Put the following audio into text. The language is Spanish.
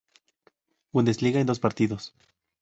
Bundesliga en dos partidos.